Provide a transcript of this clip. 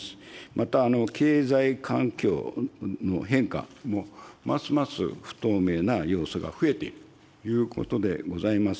また、経済環境の変化も、ますます不透明な要素が増えているということでございます。